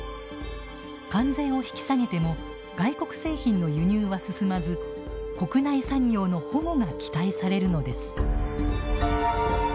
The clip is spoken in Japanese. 関税を引き下げても外国製品の輸入は進まず国内産業の保護が期待されるのです。